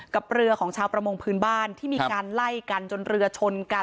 กับเรือของชาวประมงพื้นบ้านที่มีการไล่กันจนเรือชนกัน